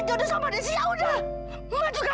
terus terus terus